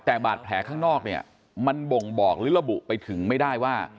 แต่บาดแผลข้างนอกเนี่ยมันบ่งบอกหรือระบุไปถึงไม่ได้ว่า